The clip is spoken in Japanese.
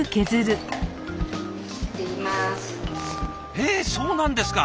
へえそうなんですか。